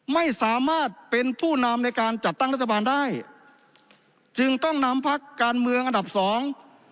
ไม่สามารถเป็นผู้นำในการจัดตั้งรัฐบาลได้จึงต้องนำพักการเมืองอันดับสอง